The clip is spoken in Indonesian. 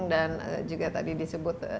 dan juga tadi disebut